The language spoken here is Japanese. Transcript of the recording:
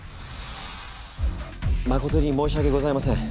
誠に申し訳ございません。